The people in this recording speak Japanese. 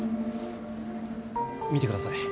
見てください